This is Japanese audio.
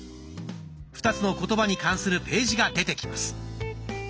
２つの言葉に関するページが出てきます。